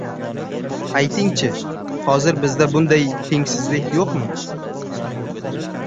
Aytingchi, hozir bizda bunday tengsizlik yo‘qmi?